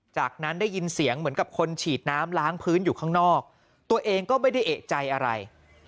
จากนั้นได้ยินเสียงเหมือนกับคนฉีดน้ำล้างพื้นอยู่ข้างนอกตัวเองก็ไม่ได้เอกใจอะไร